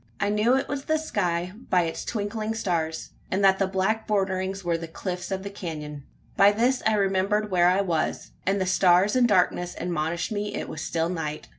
I knew it was the sky by its twinkling stars; and that the black borderings were the cliffs of the canon. By this I remembered where I was, and the stars and darkness admonished me it was still night.